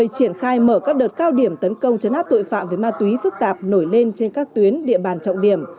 cao điểm tấn công chấn áp tội phạm về ma túy phức tạp nổi lên trên các tuyến địa bàn trọng điểm